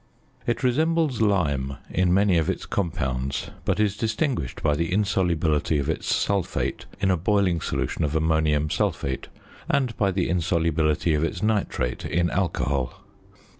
It resembles lime in many of its compounds, but is distinguished by the insolubility of its sulphate in a boiling solution of ammonium sulphate, and by the insolubility of its nitrate in alcohol.